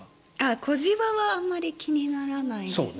小ジワはあまり気にならないですね。